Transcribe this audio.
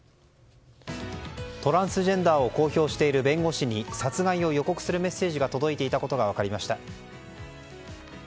トランスジェンダーを公表している弁護士に殺害を予告するメッセージが届いていたことが分かりました。